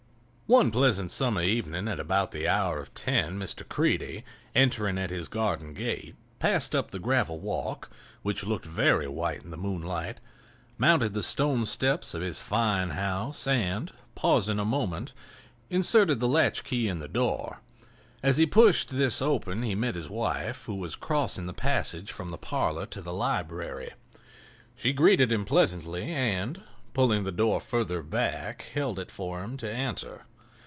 One pleasant summer evening at about the hour of ten Mr. Creede, entering at his garden gate, passed up the gravel walk, which looked very white in the moonlight, mounted the stone steps of his fine house and pausing a moment inserted his latchkey in the door. As he pushed this open he met his wife, who was crossing the passage from the parlor to the library. She greeted him pleasantly and pulling the door further back held it for him to enter.